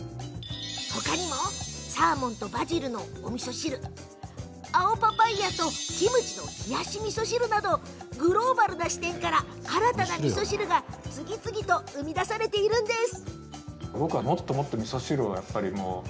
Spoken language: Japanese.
ほかにもサーモンとバジルのおみそ汁青パパイヤとキムチの冷やしみそ汁などグローバルな視点から新たな、みそ汁が次々と生み出されています。